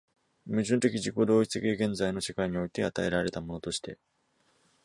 矛盾的自己同一的現在の世界において与えられたものとして、